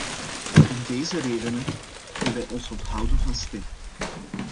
Om deze redenen hebben wij ons onthouden van stemming.